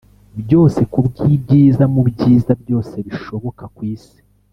byose kubwibyiza mubyiza byose bishoboka kwisi